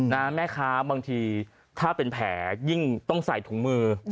แม่ค้าบางทีถ้าเป็นแผลยิ่งต้องใส่ถุงมือ